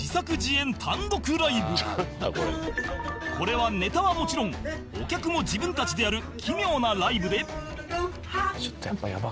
これはネタはもちろんお客も自分たちでやる奇妙なライブで